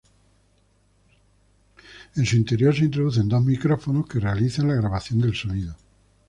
En su interior se introducen dos micrófonos que realizan la grabación del sonido.